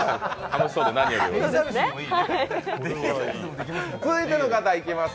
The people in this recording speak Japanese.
楽しそうで何よりです。